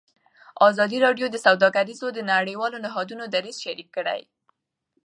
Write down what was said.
ازادي راډیو د سوداګري د نړیوالو نهادونو دریځ شریک کړی.